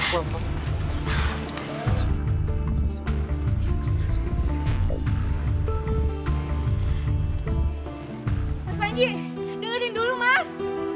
mas panci dengerin dulu mas